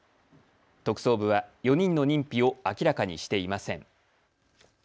特捜部は４人の認否を明らかにしていません。